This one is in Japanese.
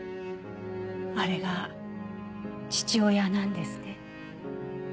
あれが父親なんですね。